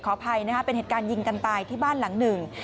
อภัยนะคะเป็นเหตุการณ์ยิงกันตายที่บ้านหลังหนึ่ง